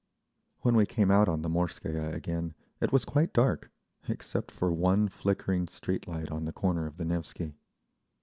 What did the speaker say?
When we came out on the Morskaya again it was quite dark, except for one flickering street light on the corner of the Nevsky.